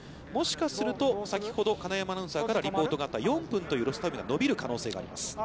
もしかすると先ほど金山アナウンサーからリポートがあった４分というロスタイムが延びる可能性があります。